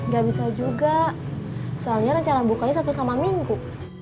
gak bisa juga soalnya rencana bukanya satu sama minggu